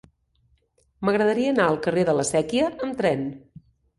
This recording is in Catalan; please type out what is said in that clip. M'agradaria anar al carrer de la Sèquia amb tren.